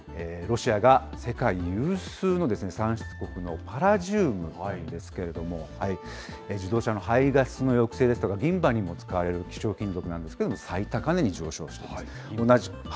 ロシアが世界有数の産出国のパラジウムなんですけれども、自動車の排ガスの抑制ですとか、銀歯にも使われる希少金属なんですけども、最高値に上昇しています。